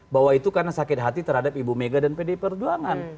bahwa itu karena sakit hati terhadap ibu mega dan pdi perjuangan